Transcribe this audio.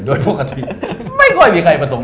โดยปกติไม่ค่อยมีใครผสม